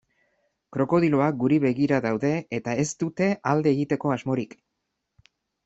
Krokodiloak guri begira daude eta ez dute alde egiteko asmorik.